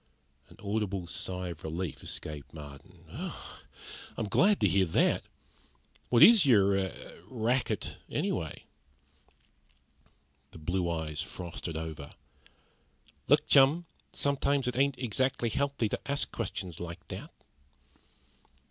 An audible sigh of relief escaped Marden. "I'm certainly glad to hear that! What is your er racket, anyway?" The blue eyes frosted over. "Look, chum, sometimes it ain't exactly healthy to ask questions like that."